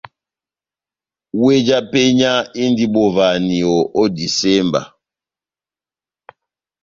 Weh já penya indi bovahaniyo ó disemba.